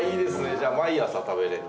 じゃあ毎朝食べれる。